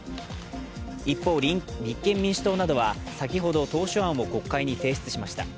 一方、立憲民主党などは先ほど、当初案を国会に提出しました。